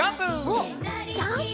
おっジャンプ！